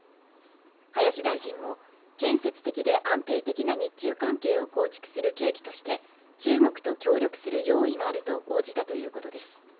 林大臣も、建設的で安定的な日中関係を構築する契機として中国と協力する用意があると応じたということです。